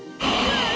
わあ！